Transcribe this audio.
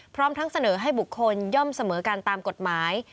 พร้อมทั้งเสนอให้บุคคลย่อมเสมอกันตามกฎหมาย